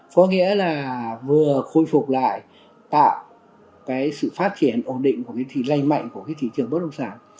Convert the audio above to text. có nghĩa là vừa khôi phục lại tạo cái sự phát triển ổn định của cái thị trường bất động sản